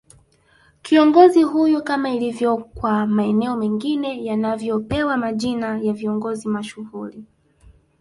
Kiongozi huyo kama ilivyo kwa maeneo mengine yanavyopewa majina ya viongozi mashuhuli